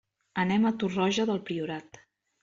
Anem a Torroja del Priorat.